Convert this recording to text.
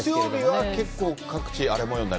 月曜日は結構、各地、はい。